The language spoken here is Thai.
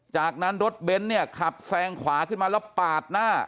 จากนั้นรถเบนท์เนี่ยขับแซงขวาขึ้นมาแล้วปาดหน้า